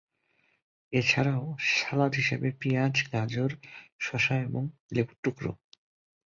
এছাড়াও সালাদ হিসাবে থাকে পিঁয়াজ, গাজর, শসা এবং লেবুর টুকরা।